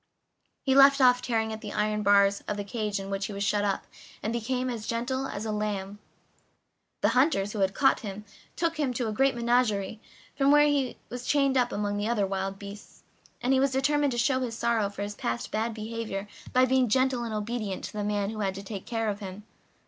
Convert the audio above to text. He left off tearing at the iron bars of the cage in which he was shut up, and became as gentle as a lamb. The hunters who had caught him took him to a great menagerie, where he was chained up among all the other wild beasts, and he determined to show his sorrow for his past bad behavior by being gentle and obedient to the man who had to take care of him.